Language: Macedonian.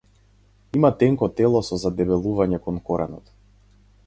Има тенко тело со задебелување кон коренот.